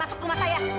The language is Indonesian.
masuk rumah saya